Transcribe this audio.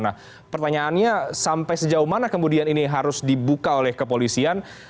nah pertanyaannya sampai sejauh mana kemudian ini harus dibuka oleh kepolisian